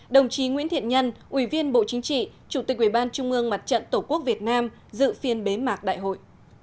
đồng chí nguyễn thiện nhân ủy viên bộ chính trị chủ tịch ubnd mặt trận tổ quốc việt nam dự phiên bế mạc đại hội